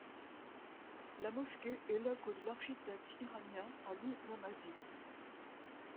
La mosquée est l’œuvre de l'architecte iranien Ali Namazi.